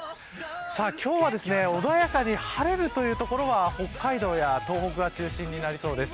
今日は穏やかに晴れるという所は北海道や東北が中心になりそうです。